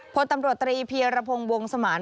พจตำรวจ๓ปีระพงวงสมาร